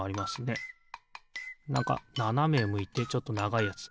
なんかななめむいてちょっとながいやつ。